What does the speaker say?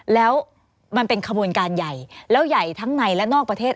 แล้วมันเป็นขบวนการใหญ่แล้วใหญ่ทั้งในและนอกประเทศ